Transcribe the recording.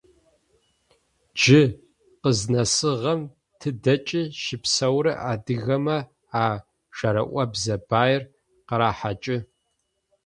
Джы къызнэсыгъэм тыдэкӏи щыпсэурэ адыгэмэ а жэрыӏобзэ баир къырахьакӏы.